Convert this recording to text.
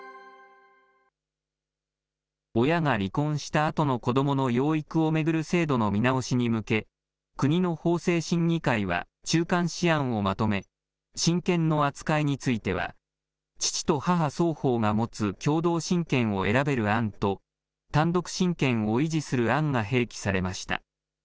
親が離婚したあとの子どもの養育を巡る制度の見直しに向け、国の法制審議会は中間試案をまとめ、親権の扱いについては、父と母双方が持つ共同親権を選べる案と、単独親権を維持する案が併記されました。